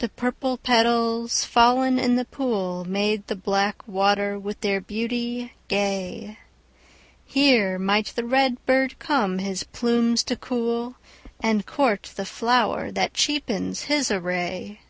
The purple petals, fallen in the pool, Made the black water with their beauty gay; Here might the red bird come his plumes to cool, And court the flower that cheapens his array.